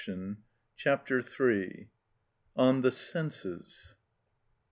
Chapter III. On The Senses.